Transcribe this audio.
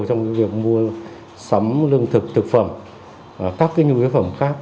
trong việc mua sắm lương thực thực phẩm các nhu yếu phẩm khác